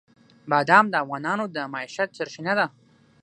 بادام د افغانانو د معیشت سرچینه ده.